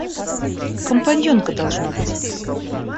Компаньонка, должно быть.